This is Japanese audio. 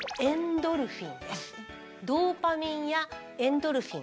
ドーパミンやエンドルフィン